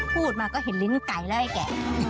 พูดมาก็เห็นลิ้นไก่แล้วไอ้แก